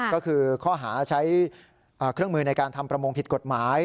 ก็คือข้อหาใช้เครื่องมือในการทำประมงผิดกฎหมาย